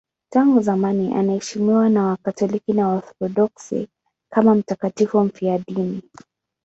Tangu zamani anaheshimiwa na Wakatoliki na Waorthodoksi kama mtakatifu mfiadini.